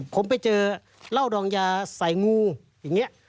ผมไปเจอเหล้าดองยาใส่งูอย่างนี้